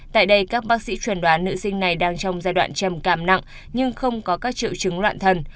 tại đây các bác sĩ chuẩn đoán nữ sinh này đang trong giai đoạn trầm cảm nặng nhưng không có các triệu chứng loạn thần